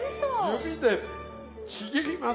指でちぎります。